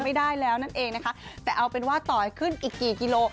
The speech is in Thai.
ไม่ได้แล้วนั่นเองนะคะแต่เอาเป็นว่าต่อให้ขึ้นอีกกี่กิโล